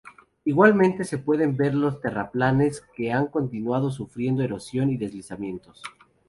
Igualmente se pueden ver los terraplenes que han continuado sufriendo erosión y deslizamientos.